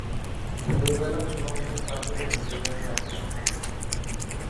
ভোরবেলা কুয়াশার চাদরে ঢেকে যায় চারপাশ।